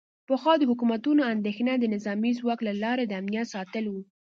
پخوا د حکومتونو اندیښنه د نظامي ځواک له لارې د امنیت ساتل و